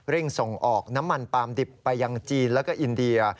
ส่งออกน้ำมันปาล์มดิบไปยังจีนแล้วก็อินเดีย